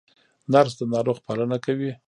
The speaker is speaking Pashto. نرس د ناروغ پالنه کوي